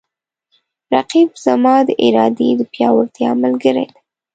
رقیب زما د ارادې د پیاوړتیا ملګری دی